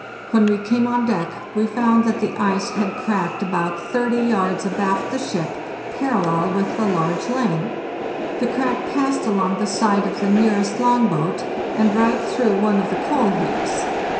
When we came on deck we found that the ice had cracked about 30 yards abaft the ship, parallel with the large lane. The crack passed along the side of the nearest long boat, and right through one of the coal heaps.